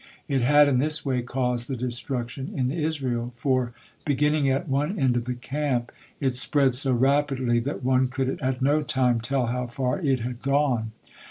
It had in this way caused the destruction in Israel, for, beginning at one end of the camp, it spread so rapidly that one could at not time tell how far it had gone.